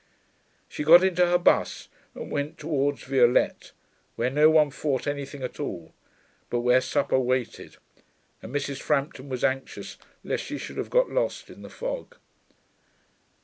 She got into her bus and went towards Violette, where no one fought anything at all, but where supper waited, and Mrs. Frampton was anxious lest she should have got lost in the fog.